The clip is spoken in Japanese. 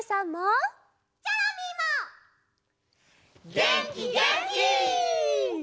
げんきげんき！